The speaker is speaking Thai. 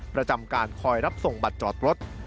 ประจำการคอยรับส่งบัตรจอดรถ